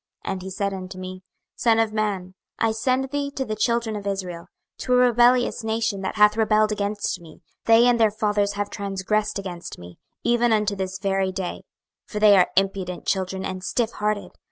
26:002:003 And he said unto me, Son of man, I send thee to the children of Israel, to a rebellious nation that hath rebelled against me: they and their fathers have transgressed against me, even unto this very day. 26:002:004 For they are impudent children and stiffhearted.